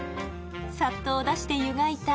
さっとおだしで湯がいた